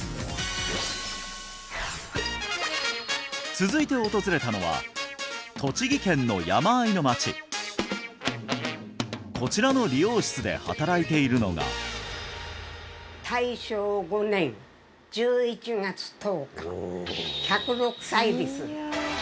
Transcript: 続いて訪れたのは栃木県の山あいの町こちらの理容室で働いているのが大正５年１１月１０日１０６歳です